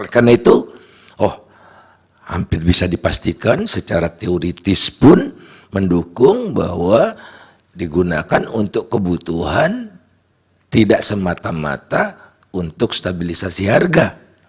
karena itu oh hampir bisa dipastikan secara teoritis pun mendukung bahwa digunakan untuk kebutuhan tidak semata mata untuk stabilisasi harga